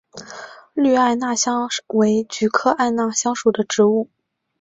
绿艾纳香为菊科艾纳香属的植物。